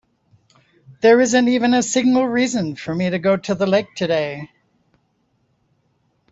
There isn't even a single reason for me to go to the lake today.